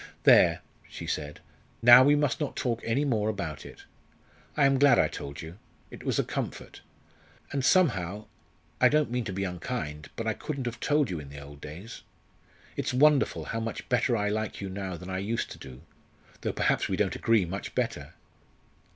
"There!" she said, "now we must not talk any more about it. I am glad I told you. It was a comfort. And somehow I don't mean to be unkind; but I couldn't have told you in the old days it's wonderful how much better I like you now than I used to do, though perhaps we don't agree much better."